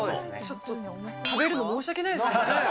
ちょっと食べるの申し訳ないですね、